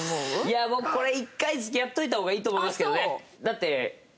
いやあ僕これ１回付き合っといた方がいいと思いますけどね。